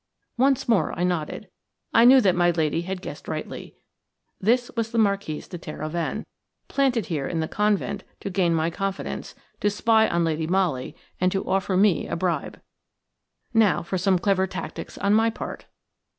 Once more I nodded. I knew that my lady had guessed rightly. This was the Marquise de Terhoven, planted here in the convent to gain my confidence, to spy on Lady Molly, and to offer me a bribe. Now for some clever tactics on my part.